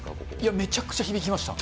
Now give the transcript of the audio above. めちゃくちゃ響きました。